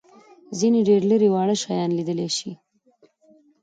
ځینې ډېر لېري واړه شیان لیدلای شي.